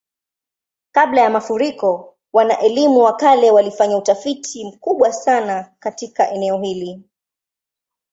Kabla ya mafuriko, wana-elimu wa kale walifanya utafiti mkubwa sana katika eneo hili.